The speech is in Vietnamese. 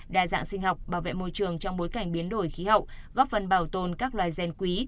đa dạng sinh học bảo vệ môi trường trong bối cảnh biến đổi khí hậu góp phần bảo tồn các loài gen quý